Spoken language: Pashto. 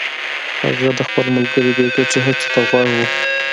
هغه د خپل ملګري بې ګټې هڅو ته غوږ و